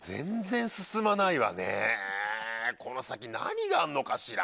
この先何があんのかしら？